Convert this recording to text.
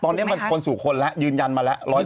ตอนนี้มันคนสู่คนแล้วยืนยันมาแล้ว